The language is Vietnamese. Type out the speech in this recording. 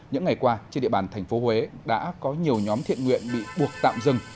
những ngày qua trên địa bàn thành phố huế đã có nhiều nhóm thiện nguyện bị buộc tạm dừng